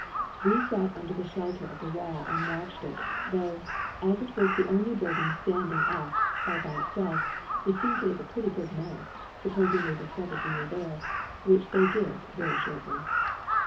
We sat under the shelter of the wall and watched it, though, as it was the only building standing up all by itself, it seemed to make a pretty good mark, supposing they discovered we were there, which they did very shortly.